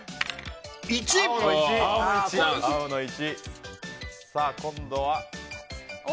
青の１！